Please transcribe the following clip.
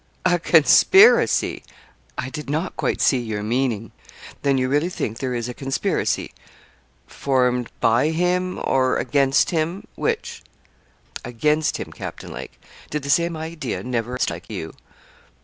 'A conspiracy! I did not quite see your meaning. Then, you really think there is a conspiracy formed by him or against him, which?' 'Against him, Captain Lake. Did the same idea never strike you?'